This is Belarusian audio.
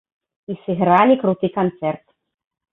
І сыгралі круты канцэрт!